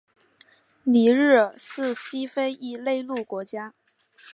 尼日尔是西非一内陆国家。